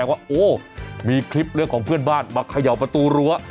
ว่าโอ้มีคลิปเรื่องของเพื่อนบ้านมาเขย่าประตูรั้ว